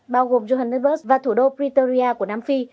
bao gồm johannesburg và thủ đô priteria của nam phi